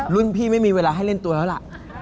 พี่ไม่มีเวลาให้เล่นตัวแล้วล่ะ